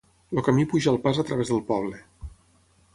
El camí puja el pas a través del poble.